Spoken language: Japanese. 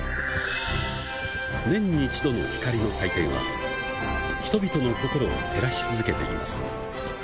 年に一度の光の祭典は、人々の心を照らし続けています。